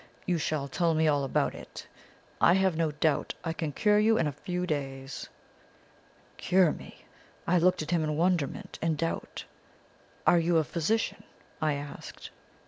You shall tell me all about it. I have no doubt I can cure you in a few days.' "Cure me? I looked at him in wonderment and doubt. "'Are you a physician?' I asked.